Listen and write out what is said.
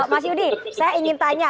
mas yudi saya ingin tanya